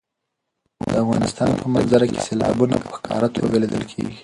د افغانستان په منظره کې سیلابونه په ښکاره توګه لیدل کېږي.